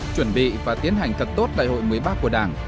chuẩn bị và tiến hành thật tốt đại hội một mươi ba của đảng